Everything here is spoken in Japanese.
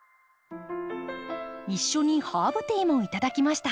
一緒にハーブティーもいただきました。